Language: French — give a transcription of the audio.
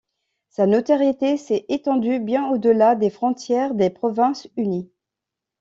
Sa notoriété s’est étendue bien au-delà des frontières des Provinces-Unies.